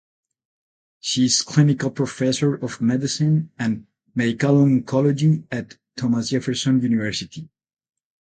She is clinical professor of medicine and medical oncology at Thomas Jefferson University.